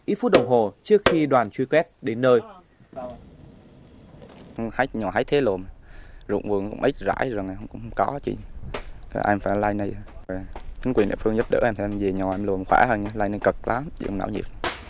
ít phút đồng hồ trước khi đoàn truy quét đến nơi